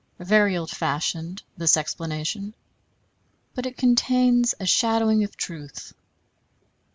Very old fashioned this explanation; but it contains a shadowing of truth.